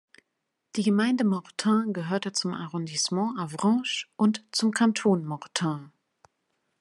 Die Gemeinde Mortain gehörte zum Arrondissement Avranches und zum Kanton Mortain.